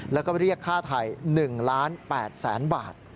แล้วก็เรียกค่าไทย๑ล้าน๘แสนบาท